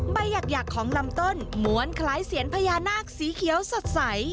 ใบหยากของลำต้นม้วนคล้ายเสียนพญานาคสีเขียวสดใส